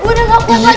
gue udah gak mau mandi